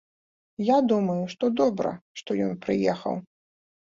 Я думаю, што добра, што ён прыехаў.